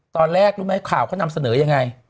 ตอนแรกรู้ไหมข่าวเขานำเสนอยังไง